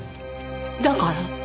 だから？